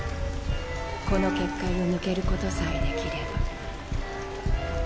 この結界を抜けることさえできれば。